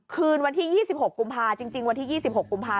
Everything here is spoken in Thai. คืนวันที่๒๖กุมภาจริงวันที่๒๖กุมภาพ